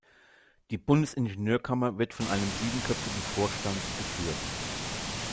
Die Bundesingenieurkammer wird von einem siebenköpfigen Vorstand geführt.